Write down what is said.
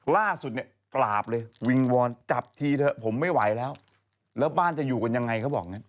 ล่าสุดเนี่ยกราบเลยวิงวอนจับทีเถอะผมไม่ไหวแล้วแล้วบ้านจะอยู่กันยังไงเขาบอกงั้น